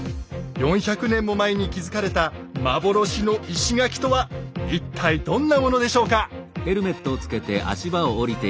４００年も前に築かれた幻の石垣とは一体どんなものでしょうか。